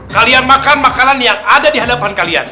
kalian makan makanan yang ada dihadapan kalian